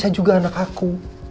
juga anak aku